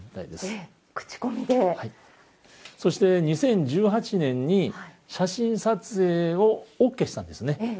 そして２０１８年に写真撮影をＯＫしたんですね。